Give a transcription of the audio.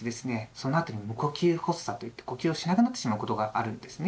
そのあとに「無呼吸発作」といって呼吸をしなくなってしまうことがあるんですね。